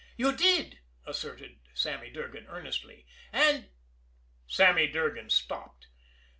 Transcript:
"You did," asserted Sammy Durgan earnestly, "and " Sammy Durgan stopped.